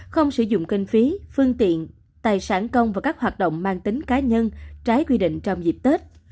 không sử dụng kinh phí phương tiện tài sản công và các hoạt động mang tính cá nhân trái quy định trong dịp tết